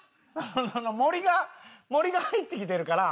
森が森が入ってきてるから。